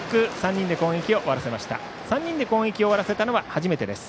３人で攻撃を終わらせたのは初めてです。